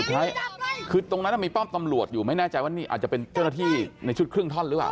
เฮ้ยคือตรงนั้นมีป้อมตำรวจอยู่ไม่แน่ใจว่านี่อาจจะเป็นเจ้าหน้าที่ในชุดครึ่งท่อนหรือเปล่า